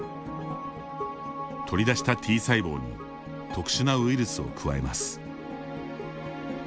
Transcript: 取り出したＴ細胞に特殊なウイルスを加えます。